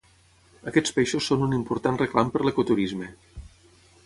Aquests peixos són un important reclam per l'ecoturisme.